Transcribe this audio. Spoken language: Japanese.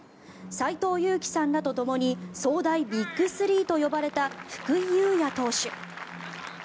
斎藤佑樹さんらとともに早大ビッグ３と呼ばれた福井優也投手。